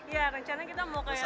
ya rencananya kita mau kayak